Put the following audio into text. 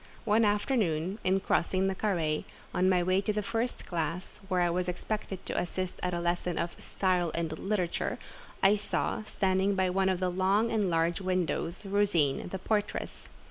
One afternoon, in crossing the carré, on my way to the first classe, where I was expected to assist at a lesson of "style and literature," I saw, standing by one of the long and large windows, Rosine, the portress.